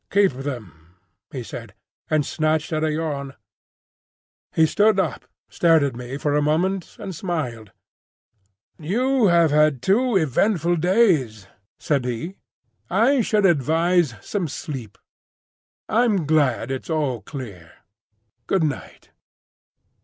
"Keep them," he said, and snatched at a yawn. He stood up, stared at me for a moment, and smiled. "You have had two eventful days," said he. "I should advise some sleep. I'm glad it's all clear. Good night."